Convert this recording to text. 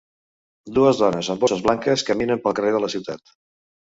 Dues dones amb bosses blanques caminen pel carrer de la ciutat.